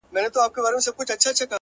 هېره مي يې!